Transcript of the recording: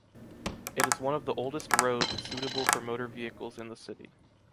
It is one of the oldest road suitable for motor vehicles in the city.